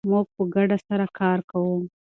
موږ په ګډه سره کار کوو.